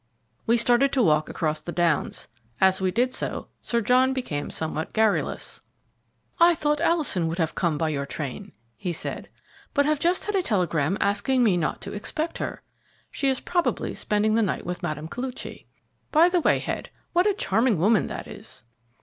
We started to walk across the Downs. As we did so, Sir John became somewhat garrulous. "I thought Alison would have come by your train," he said, "but have just had a telegram asking me not to expect her. She is probably spending to night with Mme. Koluchy. By the way, Head, what a charming woman that is."